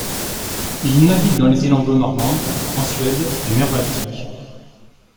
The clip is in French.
Il navigue dans les îles anglo-normandes, en Suède et mer Baltique.